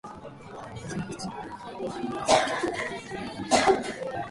金縁の裏には嘲るような笑いが見えた